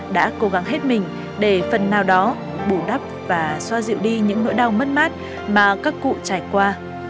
đã cố gắng hết mình để phần nào đó bù đắp và xoa dịu đi những nỗi đau mất mát mà các cụ trải qua